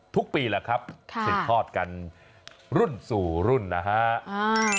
ทุกปีแหละครับสืบทอดกันรุ่นสู่รุ่นนะฮะ